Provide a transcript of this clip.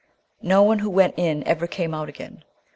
None who went in ever came out again.